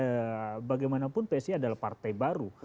misalnya psi memang psi bagaimanapun adalah partai baru